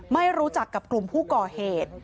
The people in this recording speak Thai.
ไม่รู้จักกับกลุ่มผู้ก่อเหตุ